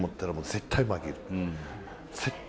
絶対負ける。